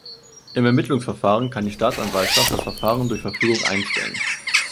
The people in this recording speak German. Im Ermittlungsverfahren kann die Staatsanwaltschaft das Verfahren durch Verfügung einstellen.